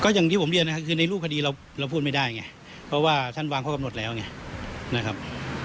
อย่างที่ผมเรียนนะครับคือในรูปคดีเราพูดไม่ได้ไงเพราะว่าท่านวางข้อกำหนดแล้วไงนะครับ